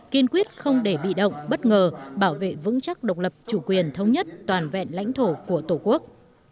kiên quyết không để bị động bất ngờ bảo vệ vững chắc độc lập chủ quyền thống nhất toàn vẹn lãnh thổ của tổ quốc